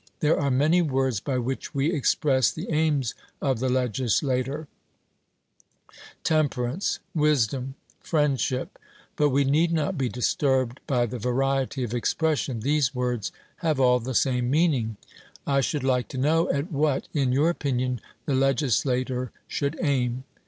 There are many words by which we express the aims of the legislator, temperance, wisdom, friendship; but we need not be disturbed by the variety of expression, these words have all the same meaning. 'I should like to know at what in your opinion the legislator should aim.'